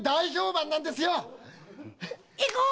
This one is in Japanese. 行こう！